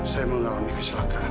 saya mengalami kecelakaan